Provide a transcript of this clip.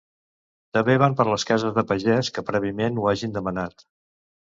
També van per les cases de pagès que prèviament ho hagin demanat.